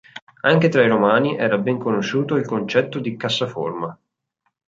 Anche tra i Romani era ben conosciuto il concetto di cassaforma.